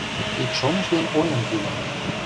Ик шоныш ден ойым пидын